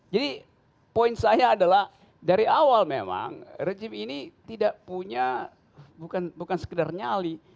jadi poin saya adalah dari awal memang rejim ini tidak punya bukan sekedar nyali